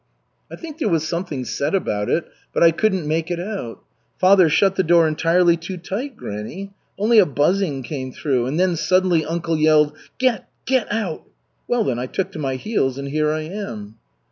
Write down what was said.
"I think there was something said about it, but I couldn't make it out. Father shut the door entirely too tight, granny. Only a buzzing came through. And then suddenly uncle yelled, 'Get get out!' Well then I took to my heels and here I am."